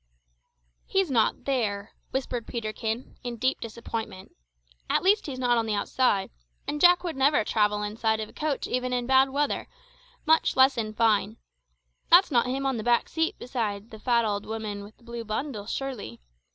"He's not there," whispered Peterkin, in deep disappointment "at least he's not on the outside, and Jack would never travel inside of a coach even in bad weather, much less in fine. That's not him on the back seat beside the fat old woman with the blue bundle, surely!